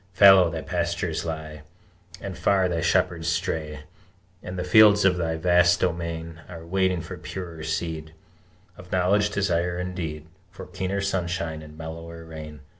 Fallow thy pastures lie, And far thy shepherds stray, And the fields of thy vast domain Are waiting for purer seed Of knowledge, desire, and deed, For keener sunshine and mellower rain!